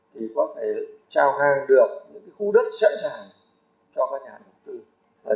thì có thể trao hàng được những khu đất sẵn sàng cho các nhà đầu tư